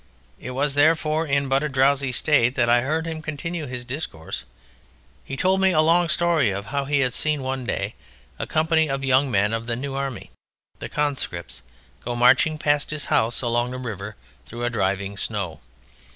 It was, therefore, in but a drowsy state that I heard him continue his discourse. He told me a long story of how he had seen one day a company of young men of the New Army, the conscripts, go marching past his house along the river through a driving snow.